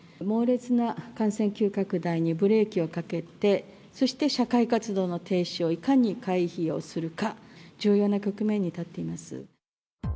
猛烈な感染急拡大にブレーキをかけて、そして社会活動の停止をいかに回避をするか、重要な局面に立っています。